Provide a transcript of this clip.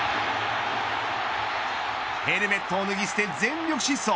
ヘルメットを脱ぎ捨て全力疾走。